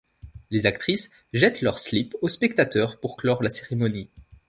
Les actrices jettent leurs slips aux spectateurs pour clore la cérémonie.